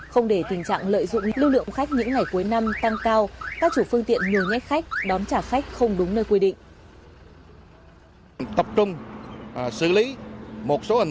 không để tình trạng lợi dụng lưu lượng khách những ngày cuối năm tăng cao các chủ phương tiện nhồi nhét khách đón trả khách không đúng nơi quy định